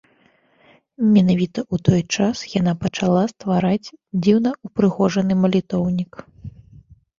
Менавіта ў той час яна пачала ствараць дзіўна ўпрыгожаны малітоўнік.